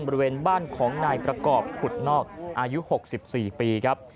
บริเวณบ้านของนายประกอบขุดนอกอายุ๖๔ปีครับ